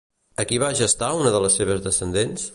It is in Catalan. A qui va gestar una de les seves descendents?